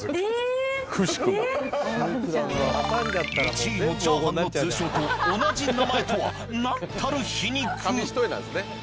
１位のチャーハンの通称と同じ名前とはなんたる皮肉